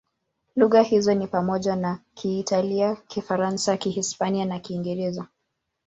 Lugha hizo ni pamoja na Kiitalia, Kifaransa, Kihispania na Kiingereza.